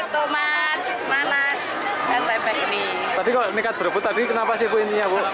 tapi kalau ini kan berebut tapi kenapa sih bu intinya bu